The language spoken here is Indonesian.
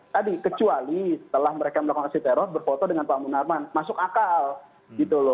tadi kecuali setelah mereka melakukan aksi teror berfoto dengan pak munarman masuk akal gitu loh